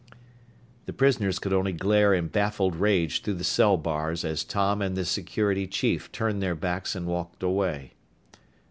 The prisoners could only glare in baffled rage through the cell bars as Tom and the security chief turned their backs and walked away.